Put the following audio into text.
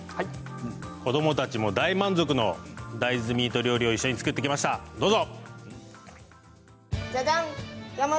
子どもたちも大満足の大豆ミート料理を一緒に作ってきました、どうぞ。